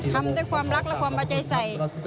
ทำด้วยความรักและความเอาใจใส่